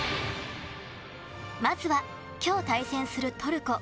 まずは今日対戦するトルコ。